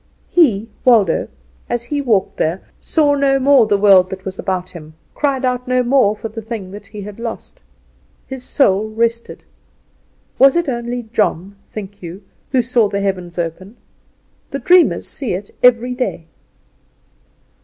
He, Waldo, as he walked there, saw no more the world that was about him; cried out no more for the thing that he had lost. His soul rested. Was it only John, think you, who saw the heavens open? The dreamers see it every day.